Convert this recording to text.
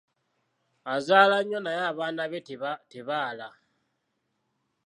Azaala nnyo naye abaana be tebaala.